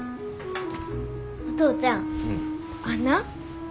お父ちゃんあんな。